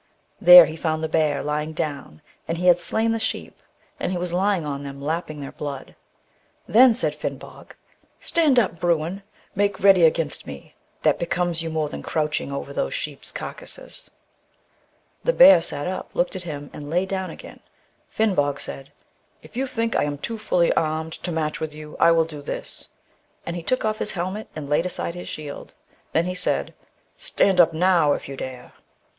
There he found the bear lying down, and he had slain the sheep, and he was lying on them lapping their blood. Then said Finnbog :* Stand up. Bruin ! make ready against me ; that becomes you more than crouching over those sheep's carcases.* " The bear sat up, looked at him, and lay down again. Finnbog said, * If you think that I am too fully armed to match with you, I will do this,' and he took off his helmet and laid aside his shield. Then he said, * Stand up now, if you dare !